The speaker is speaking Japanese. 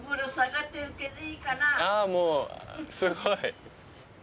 ああもうすごい。